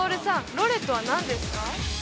ロレとは何ですか？